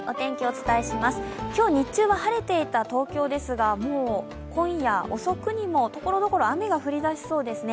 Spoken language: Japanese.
今日、日中は晴れていた東京ですが、もう今夜遅くにもところどころ、雨が降りだしそうですね。